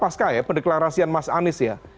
pas kayak pendeklarasian mas anies ya